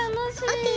ＯＫ